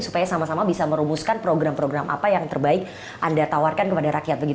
supaya sama sama bisa merumuskan program program apa yang terbaik anda tawarkan kepada rakyat